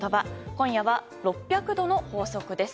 今夜は６００度の法則です。